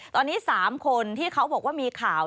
ตอนนี้๓คนที่เขาบอกว่ามีข่าว